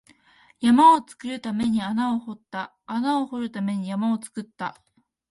山を作るために穴を掘った、穴を掘るために山を作った